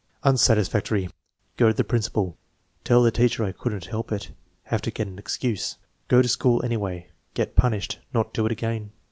Unsatisfactory. "Go to the principal." "Tell the teacher I could n't help it." "Have to get an excuse." "Go to school any way." "Get punished." "Not do it again."